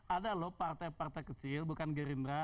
ada loh partai partai kecil bukan gering gera